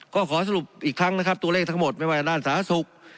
ก็ขอสรุปอีกครั้งนะครับตัวเลขทั้งหมดไม่ว่าด้านสาธารณสุข